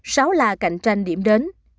sáu là cạnh tranh điểm đến